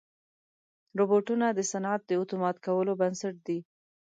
روبوټونه د صنعت د اتومات کولو بنسټ دي.